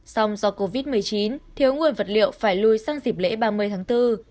song do covid một mươi chín thiếu nguồn vật liệu phải lùi sang dịp lễ ba mươi tháng bốn